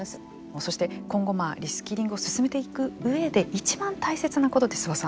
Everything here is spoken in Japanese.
そして、今後リスキリングを進めていく上でいちばん大切なことって諏訪さん